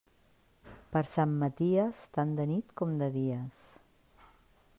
Per Sant Maties, tant de nit com de dies.